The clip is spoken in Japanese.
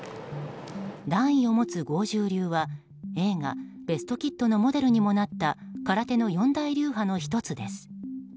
段位を持つ剛柔流は映画「ベスト・キッド」のモデルにもなった空手の四大流派の１つです。